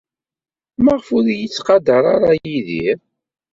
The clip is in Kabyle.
Maɣef ur iyi-yettqadar ara Yidir?